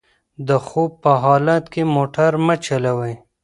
د خوب په حالت کې موټر مه چلوئ.